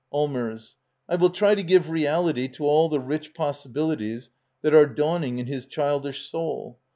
Allmers. I will try to give reality to all the rich possibilities that are dawning in his childish soul.